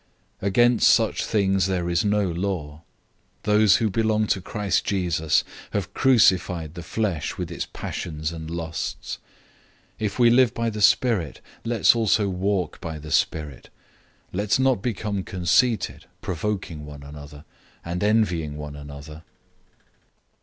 Against such things there is no law. 005:024 Those who belong to Christ have crucified the flesh with its passions and lusts. 005:025 If we live by the Spirit, let's also walk by the Spirit. 005:026 Let's not become conceited, provoking one another, and envying one another.